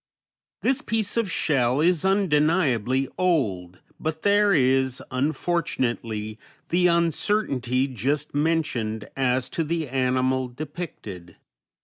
This piece of shell is undeniably old, but there is, unfortunately, the uncertainty just mentioned as to the animal depicted.